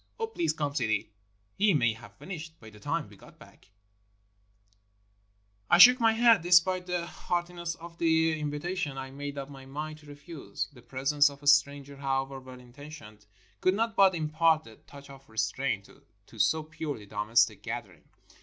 Oh, please come, Sidi, he may have finished by the time we get back." 354 THE OASIS OF THE GREAT GRANDFATHER I shook my head. Despite the heartiness of the invi tation, I made up my mind to refuse. The presence of a stranger, however well intentioned, could not but im part a touch of restraint to so purely domestic a gather ing.